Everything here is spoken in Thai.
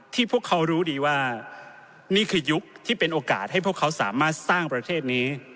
พวกเขารู้ดีว่านี่คือยุคที่เป็นโอกาสให้พวกเขาสามารถสร้างประเทศนี้